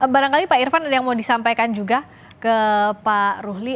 barangkali pak irfan ada yang mau disampaikan juga ke pak ruhli